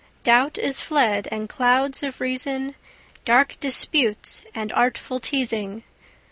Doubt is fled, and clouds of reason, Dark disputes and artful teazing.